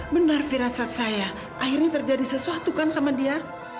benar firasat saya akhirnya terjadi sesuatu kan sama dia